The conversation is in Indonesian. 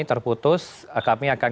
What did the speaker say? terputus kami akan